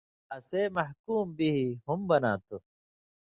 اَسے محکوم بہِ ہُم بَناں تھو۔